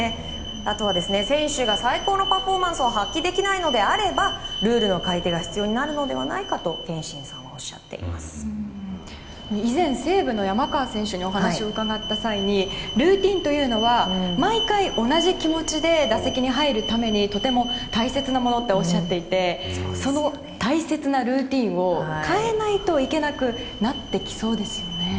あとは、選手が最高のパフォーマンスを発揮できないのであればルールの改定が必要になるのではないかと憲伸さんは以前、西武の山川選手にお話を伺った際にルーティンというのは毎回同じ気持ちで打席に入るためにとても大切なものとおっしゃっていてその大切なルーティンを変えないといけなくなってきそうですよね。